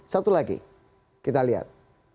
satu lagi kita lihat